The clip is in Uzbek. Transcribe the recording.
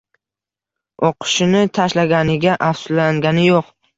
O`qishini tashlaganiga afsuslangani yo`q